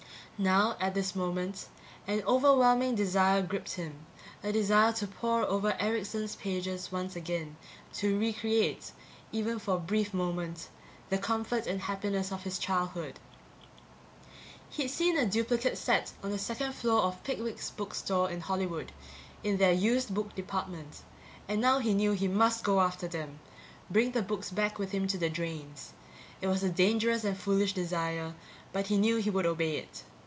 Now, at this moment, an overwhelming desire gripped him, a desire to pour over Erickson's pages once again, to re create, even for a brief moment, the comfort and happiness of his childhood. He'd seen a duplicate set on the second floor of Pickwick's book store in Hollywood, in their used book department, and now he knew he must go after them, bring the books back with him to the drains. It was a dangerous and foolish desire, but he knew he would obey it.